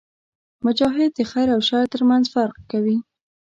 مجاهد د خیر او شر ترمنځ فرق کوي.